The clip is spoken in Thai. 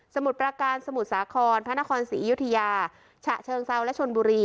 มุดประการสมุทรสาครพระนครศรีอยุธยาฉะเชิงเซาและชนบุรี